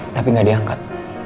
tapi gak diangkat